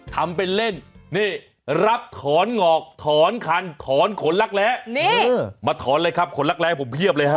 ทำเป็นเล่นนี่รับถอนหงอกถอนคันถอนขนลักแร้นี่มาถอนเลยครับขนรักแร้ผมเพียบเลยฮะ